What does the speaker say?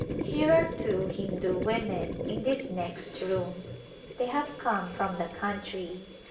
Here are two Hindu women in this next room. They have come from the country.